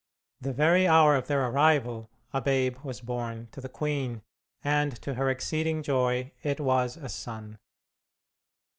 The very hour of their arrival a babe was born to the queen and to her exceeding joy it was a son.